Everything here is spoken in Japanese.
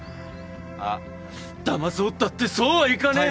あっだまそうったってそうはいかねえ。